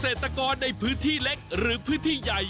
เกษตรกรในพื้นที่เล็กหรือพื้นที่ใหญ่